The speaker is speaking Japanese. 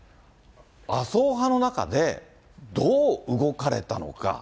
麻生派の中で、どう動かれたのか。